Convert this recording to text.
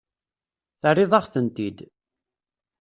Terriḍ-aɣ-tent-id.